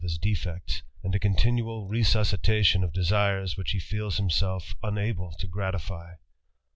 s defects, and a continual resuscitation. of desires wl he feels himself unabl e to gratify.